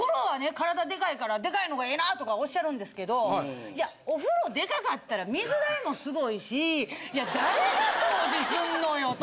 体がデカいからデカいのがええなとかおっしゃるんですけどいやお風呂デカかったら水代もすごいしいや誰が掃除すんのよと。